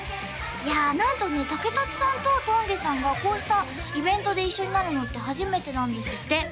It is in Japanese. いやなんとね竹達さんと丹下さんがこうしたイベントで一緒になるのって初めてなんですって